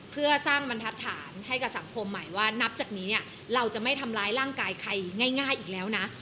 เพื่อสร้างบรรทัศน์ให้กับสังคมใหม่ว่านับจากนี้เนี่ยเราจะไม่ทำร้ายร่างกายใครง่ายอีกแล้วนะ